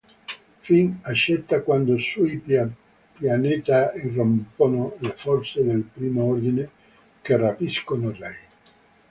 Finn accetta, quando sul pianeta irrompono le forze del Primo Ordine, che rapiscono Rey.